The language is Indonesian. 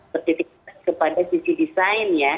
bertitik kepada sisi desain ya